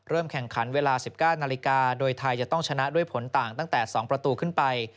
แข่งขันเวลา๑๙นาฬิกาโดยไทยจะต้องชนะด้วยผลต่างตั้งแต่๒ประตูขึ้นไป